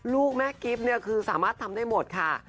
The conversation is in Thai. ลูกแม่กิ๊บเนี่ยคือสามารถทำได้หมดค่ะ